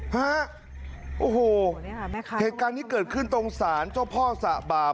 ฮะโอ้โหเหตุการณ์นี้เกิดขึ้นตรงศาลเจ้าพ่อสะบาป